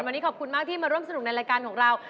วันนี้ขอบคุณมากที่มาร่วมสนุกในรายการของเรา